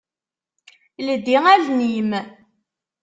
Ldi allen-im.